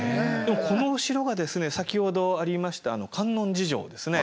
このお城がですね先ほどありました観音寺城ですね。